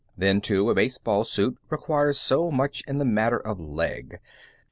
Then too, a baseball suit requires so much in the matter of leg.